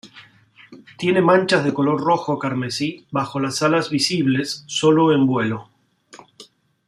Tiene manchas de color rojo carmesí bajo las alas visibles solo en vuelo.